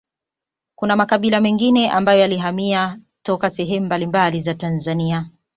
Kuna makabila mengine ambayo yalihamia toka sehemu mbambali za Tanzania